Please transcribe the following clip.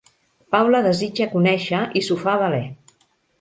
Paula desitja conèixer i s'ho fa valer–.